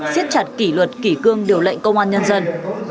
xiết chặt kỷ luật kỷ cương điều lệnh công an nhân dân